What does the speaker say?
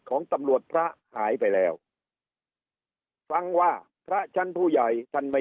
ของตำรวจพระหายไปแล้วฟังว่าพระชั้นผู้ใหญ่ท่านไม่